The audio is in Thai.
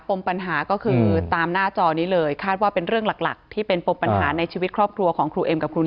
มปัญหาก็คือตามหน้าจอนี้เลยคาดว่าเป็นเรื่องหลักที่เป็นปมปัญหาในชีวิตครอบครัวของครูเอ็มกับครู